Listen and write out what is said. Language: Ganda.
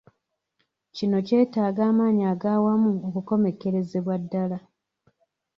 Kino kyeetaga amaanyi ag'awamu okukomekerezebwa ddala.